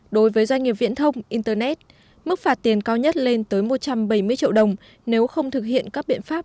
đối với doanh nghiệp viễn thông internet mức phạt tiền cao nhất lên tới một trăm bảy mươi triệu đồng nếu không thực hiện các biện pháp